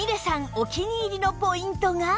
お気に入りのポイントが